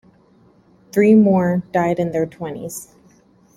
Three more died in their twenties.